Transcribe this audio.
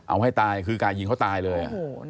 เอาให้ตายคือการยิงเขาตายเลย